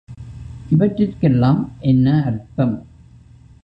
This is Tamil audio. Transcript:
இவற்றிற்கெல்லாம் என்ன அர்த்தம்?